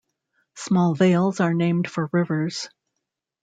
Small valles are named for rivers.